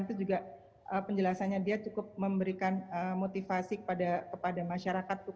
itu juga penjelasannya dia cukup memberikan motivasi kepada masyarakat